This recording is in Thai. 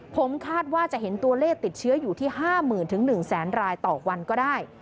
ผมคาดว่าจะเห็นตัวเลขติดเชื้ออยู่ที่๕๐๐๐๑๐๐๐รายต่อวันก็ได้